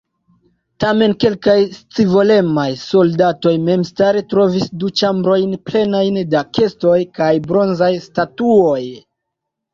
Tamen kelkaj scivolemaj soldatoj memstare trovis du ĉambrojn plenajn da kestoj kaj bronzaj statuoj.